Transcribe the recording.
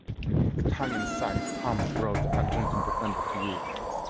Italian side Parma brought the Argentine defender to Europe.